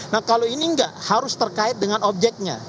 nah kalau ini enggak harus terkait dengan objeknya